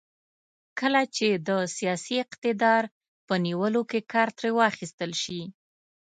کله چې د سیاسي اقتدار په نیولو کې کار ترې واخیستل شي.